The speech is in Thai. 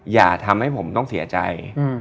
อย่าทำให้ผมต้องเสียใจ